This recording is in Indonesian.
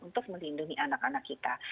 untuk melindungi anak anak kita